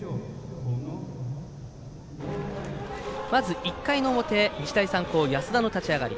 まず、１回の表、日大三高安田の立ち上がり。